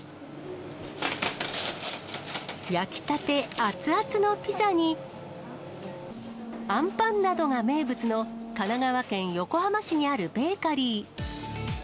焼きたて熱々のピザに、あんパンなどが名物の、神奈川県横浜市にあるベーカリー。